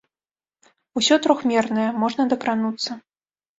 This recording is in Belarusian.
Усё трохмернае, можна дакрануцца.